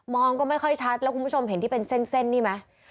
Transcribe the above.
องก็ไม่ค่อยชัดแล้วคุณผู้ชมเห็นที่เป็นเส้นนี่ไหม